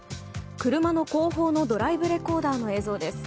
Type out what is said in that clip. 車の後方のドライブレコーダーの映像です。